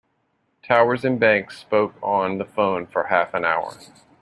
Towers and Banks spoke on the phone for half an hour.